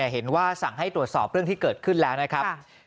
สั่งให้ตรวจสอบเรื่องที่เกิดขึ้นแล้วนะครับ